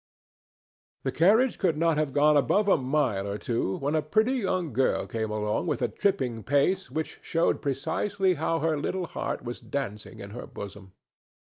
The carriage could not have gone above a mile or two when a pretty young girl came along with a tripping pace which showed precisely how her little heart was dancing in her bosom.